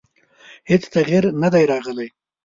هېڅ تغیر نه دی راغلی.